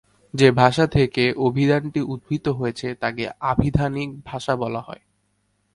যে ভাষা থেকে অভিধানটি উদ্ভূত হয়েছে তাকে আভিধানিক ভাষা বলা হয়।